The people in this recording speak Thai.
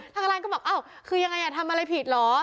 ทางร้านก็บอกอ้าวคือยังไงทำอะไรผิดเหรอ